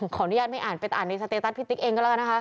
ขออนุญาตไม่อ่านไปอ่านในสเตตัสพี่ติ๊กเองก็แล้วกันนะคะ